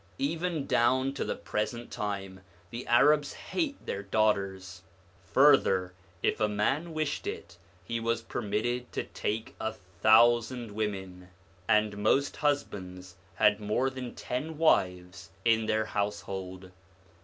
Even down to the present time the Arabs hate their daughters. Further, if a man wished it, he was permitted to take a thousand women, and most husbands had more than ten wives in their house hold.